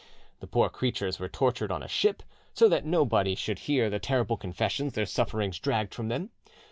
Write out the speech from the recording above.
The poor creatures were tortured on a ship, so that nobody should hear the terrible confessions their sufferings dragged from them.